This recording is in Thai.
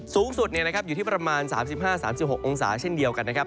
สูงสุดอยู่ที่ประมาณ๓๕๓๖องศาเช่นเดียวกันนะครับ